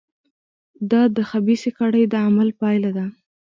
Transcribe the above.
دا د خبیثه کړۍ د عمل پایله ده.